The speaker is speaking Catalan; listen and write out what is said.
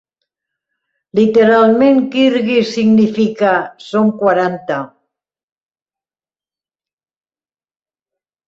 Literalment, kirguís significa "Som quaranta".